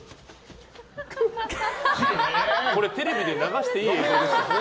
これテレビで流していい映像ですか？